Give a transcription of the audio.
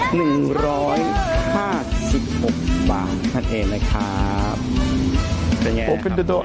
หนึ่งร้อยห้าสิบหกบาทท่านเองนะครับเป็นไงครับ